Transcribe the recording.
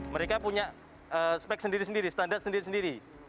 mereka punya spek sendiri sendiri standar sendiri sendiri